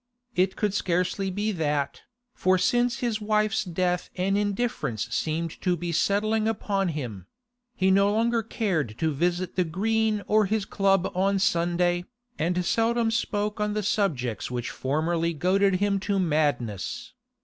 It could scarcely be that, for since his wife's death an indifference seemed to be settling upon him; he no longer cared to visit the Green or his club on Sunday, and seldom spoke on the subjects which formerly goaded him to madness.